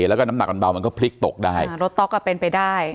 แล้วก็น้ำหนักมันเบามันก็พลิกตกได้รถต๊อกอ่ะเป็นไปได้